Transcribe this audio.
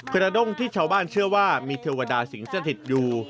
กระด้งที่ชาวบ้านเชื่อว่ามีเทวดาสิงสถิตอยู่